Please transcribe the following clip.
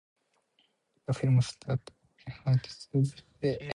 The film stars Lorraine Harding as Annabel Lee.